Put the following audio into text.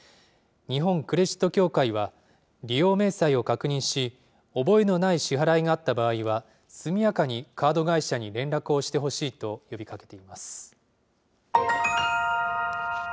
日本クレジット協会は、利用明細を確認し、覚えのない支払いがあった場合は、速やかにカード会社に連絡をしてほしいと呼びかけています。